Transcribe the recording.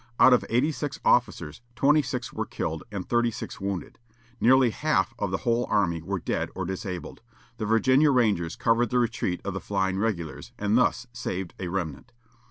Out of eighty six officers, twenty six were killed and thirty six wounded. Nearly half of the whole army were dead or disabled. The Virginia Rangers covered the retreat of the flying regulars, and thus saved a remnant.